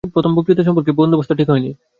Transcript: প্রথম বক্তৃতা সম্পর্কে বন্দোবস্ত ঠিক হয়নি।